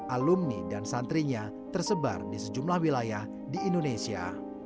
alumni dan santrinya tersebar di sejumlah wilayah di indonesia